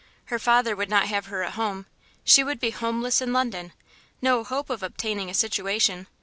Her father would not have her at home; she would be homeless in London. No hope of obtaining a situation....